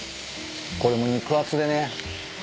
これも肉厚でね。